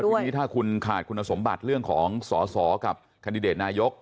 ทีนี้ถ้าคุณขาดคุณสมบัติเรื่องของสอสอกับแคนดิเดตนายก